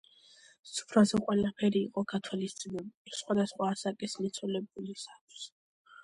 სუფრაზე ყველაფერი იყო გათვალისწინებული სხვადასხვა ასაკის მიცვალებულისათვის.